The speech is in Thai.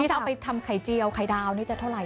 ถ้าเอาไปทำไข่เจียวไข่ดาวนี่จะเท่าไห